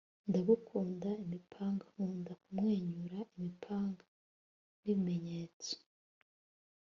ndagukunda imipanga nkunda kumwenyura imipanga nibimenyetso